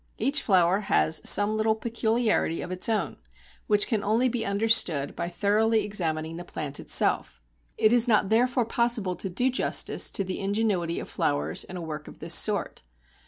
Each flower has some little peculiarity of its own which can only be understood by thoroughly examining the plant itself. It is not therefore possible to do justice to the ingenuity of flowers in a work of this sort.